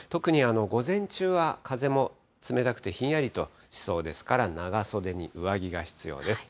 午前中は風も冷たくてひんやりとしそうですから、長袖に上着が必要です。